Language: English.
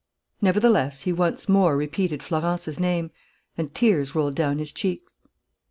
Nevertheless, he once more repeated Florence's name, and tears rolled down his cheeks.